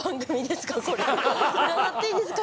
『占っていいですか？』